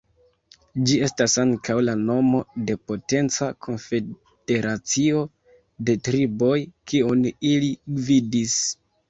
Ĝi estas ankaŭ la nomo de potenca konfederacio de triboj, kiun ili gvidis.